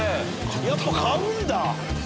やっぱ買うんだ。